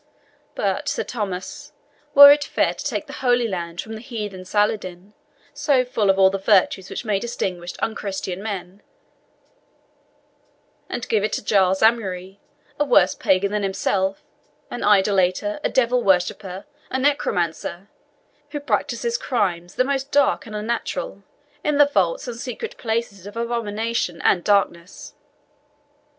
But, Sir Thomas, were it fair to take the Holy Land from the heathen Saladin, so full of all the virtues which may distinguish unchristened man, and give it to Giles Amaury, a worse pagan than himself, an idolater, a devil worshipper, a necromancer, who practises crimes the most dark and unnatural in the vaults and secret places of abomination and darkness?"